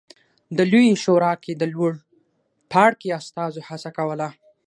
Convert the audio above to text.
د لویې شورا کې د لوړ پاړکي استازو هڅه کوله